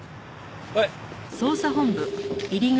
はい。